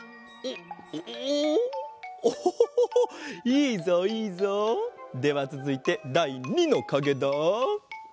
いいぞいいぞ。ではつづいてだい２のかげだ！